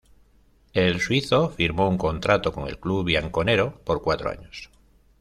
El suizo firmó un contrato con el club "bianconero" por cuatro años.